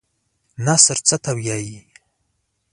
نثر څه ته وايي؟